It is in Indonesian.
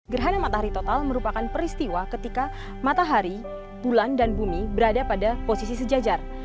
gerhana matahari total merupakan peristiwa ketika matahari bulan dan bumi berada pada posisi sejajar